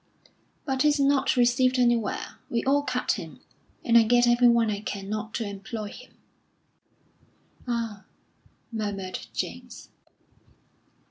"But he's not received anywhere. We all cut him; and I get everyone I can not to employ him." "Ah!" murmured James.